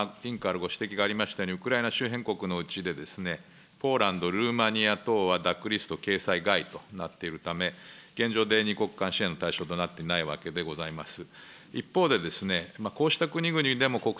委員からご指摘がありましたとおり、これらの周辺国のうちで、ポーランド、ルーマニアはラックリスト掲載外となっておりますため、現状で２国間支援の対象となっていないわけでございます。